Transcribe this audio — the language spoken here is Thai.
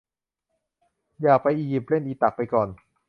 อยากไปอียิปต์ เล่นอีตักไปก่อน